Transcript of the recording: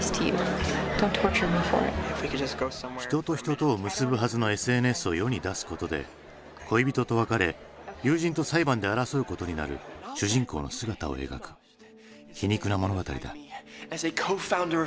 人と人とを結ぶはずのＳＮＳを世に出すことで恋人と別れ友人と裁判で争うことになる主人公の姿を描く皮肉な物語だ。